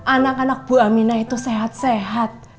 anak anak bu amina itu sehat sehat